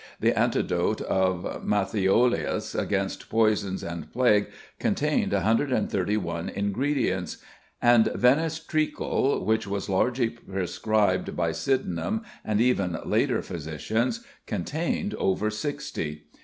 The antidote of Matthiolus against poisons and plague contained 131 ingredients, and Venice treacle, which was largely prescribed by Sydenham and even later physicians, contained over sixty.